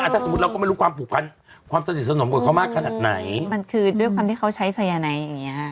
ถ้าสมมุติเราก็ไม่รู้ความผูกพันความสนิทสนมกับเขามากขนาดไหนมันคือด้วยความที่เขาใช้สายนายอย่างเงี้ฮะ